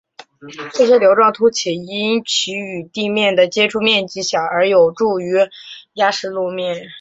这些瘤状突起因其与地面的接触面积小而有助于压实路面。